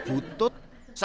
aku lagi mau